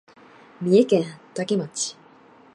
三重県多気町